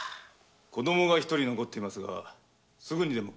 子供が一人残っていますがすぐにでも。